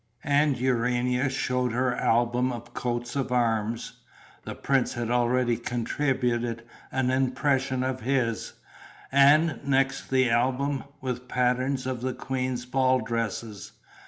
And Urania showed her album of coats of arms the prince had already contributed an impression of his and next the album with patterns of the queen's ball dresses.